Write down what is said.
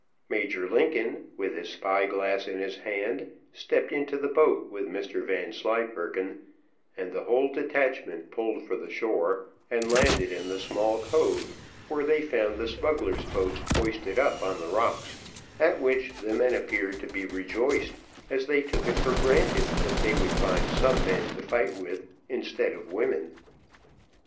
Major Lincoln, with his spy glass in his hand, stepped into the boat with Mr Vanslyperken, and the whole detachment pulled for the shore, and landed in the small cove, where they found the smugglers' boats hoisted up on the rocks, at which the men appeared to be rejoiced, as they took it for granted that they would find some men to fight with instead of women.